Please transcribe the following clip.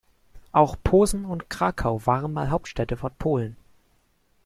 Auch Posen und Krakau waren mal Hauptstädte von Polen.